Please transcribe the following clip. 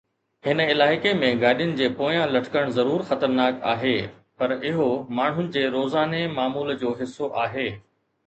هن علائقي ۾ گاڏين جي پويان لٽڪڻ ضرور خطرناڪ آهي، پر اهو ماڻهن جي روزاني معمول جو حصو آهي.